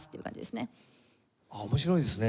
面白いですね。